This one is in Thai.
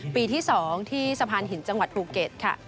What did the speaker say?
ปีที่๒ที่สะพานหินจังหวัดภูเก็ตค่ะ